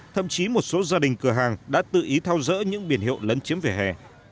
thậm chí một số gia đình cửa hàng đã tự ý thao dỡ những biển hiệu lấn chiếm vỉa hè